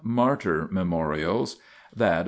Martyr Memorials. That of S.